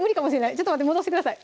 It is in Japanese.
ちょっと待って戻してください